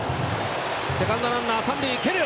セカンドランナー、三塁を蹴る。